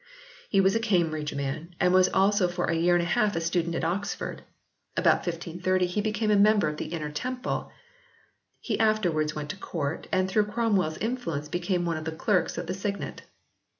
He was a Cambridge man and was also for a year and a half a student at Oxford. About 1530 he became a member of the Inner Temple ; he afterwards went to Court and through Cromwell s influence became one of the Clerks of the Signet.